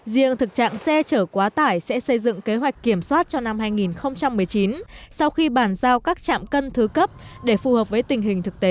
riêng thực trạng xe chở quá tải sẽ xây dựng kế hoạch kiểm soát cho năm hai nghìn một mươi chín sau khi bàn giao các trạm cân thứ cấp để phù hợp với tình hình thực tế